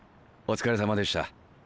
お疲れさまでした。